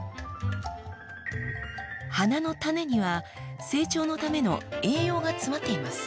花の種には成長のための栄養が詰まっています。